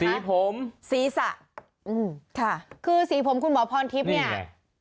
สีผมสีสะคือสีผมคุณหมอพรทิพย์เนี่ย